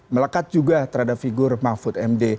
melekat juga terhadap figur mahfud md